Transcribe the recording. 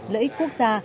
lợi ích quốc gia